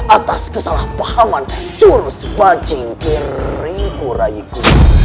atas kesalahpahaman jurus bajing kiriku rayiku